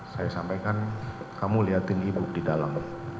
saya sampaikan kamu lihatin ibu di dalam